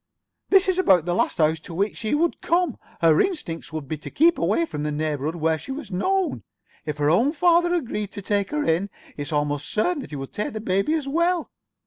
This is about the last house to which she would come. Her instinct would be to keep away from the neighborhood where she was known. If her own father agreed to take her in, it's almost certain that he would take the baby as well.